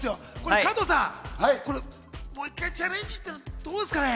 加藤さん、もう１回チャレンジ、どうですかね？